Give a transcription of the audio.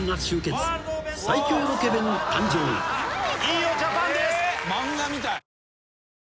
飯尾ジャパンです。